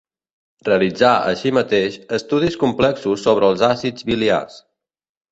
Realitzà, així mateix, estudis complexos sobre els àcids biliars.